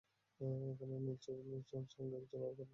একজন নীল চোখের নারীর সঙ্গে একজন কালো চোখের পুরুষের বিয়ে হলো।